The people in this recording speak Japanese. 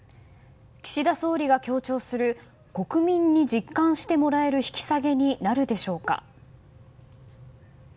岸田総理が強調する国民に実感してもらえる引き下げになるでしょうか。